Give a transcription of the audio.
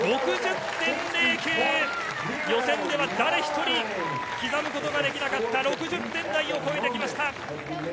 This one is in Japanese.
予選では誰一人、刻むことができなかった６０点台を超えてきました。